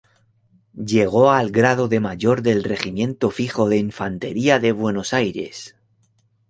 Llegó al grado de mayor del Regimiento Fijo de Infantería de Buenos Aires.